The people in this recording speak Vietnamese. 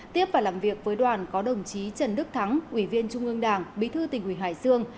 tiếp và làm việc với đoàn có đồng chí trần đức thắng quỳ viên trung ương đảng bí thư tỉnh quỳ hải sương